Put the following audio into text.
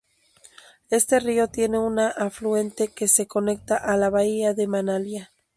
Este río tiene un afluente que se conecta a la bahía de Manila.